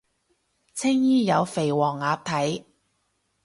青衣有肥黃鴨睇